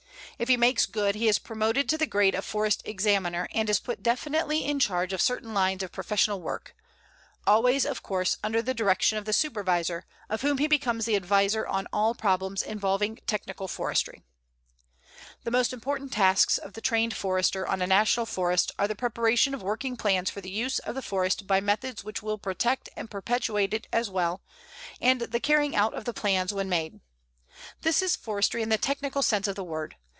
If he makes good he is promoted to the grade of Forest Examiner and is put definitely in charge of certain lines of professional work; always, of course, under the direction of the Supervisor, of whom he becomes the adviser on all problems involving technical forestry. The most important tasks of the trained Forester on a National Forest are the preparation of working plans for the use of the forest by methods which will protect and perpetuate it as well, and the carrying out of the plans when made. This is forestry in the technical sense of the word.